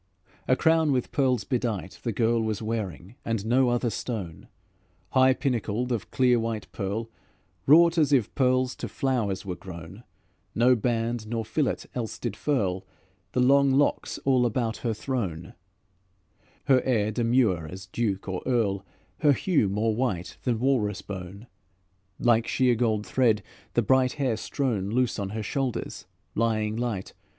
A crown with pearls bedight, the girl Was wearing, and no other stone; High pinnacled of clear white pearl, Wrought as if pearls to flowers were grown. No band nor fillet else did furl The long locks all about her thrown. Her air demure as duke or earl, Her hue more white than walrus bone; Like sheer gold thread the bright hair strown Loose on her shoulders, lying light.